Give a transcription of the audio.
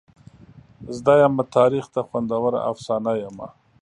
زده یمه تاریخ ته خوندوره افسانه یمه.